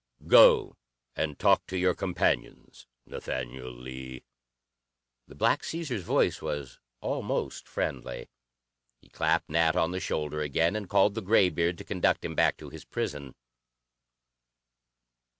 Go and talk to your companions, Nathaniel Lee." The Black Caesar's voice was almost friendly. He clapped Nat on the shoulder again, and called the graybeard to conduct him back to his prison.